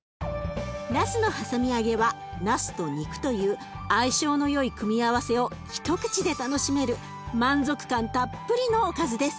なすのはさみ揚げはなすと肉という相性のよい組み合わせを一口で楽しめる満足感たっぷりのおかずです。